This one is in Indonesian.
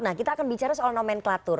nah kita akan bicara soal nomenklatur